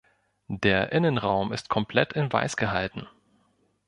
Der Innenraum ist komplett in weiß gehalten.